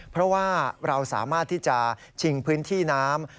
เพราะว่าเราสามารถที่จะชิงพื้นที่น้ำ